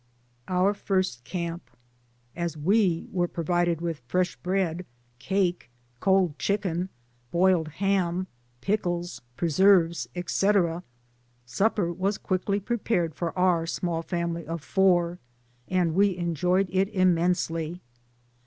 OUR FIRST CAMP. As we were provided with fresh bread, cake, cold chicken, boiled ham, pickles, pre serves, etc., supper was quickly prepared for our small family of four, and we enjoyed it immensely.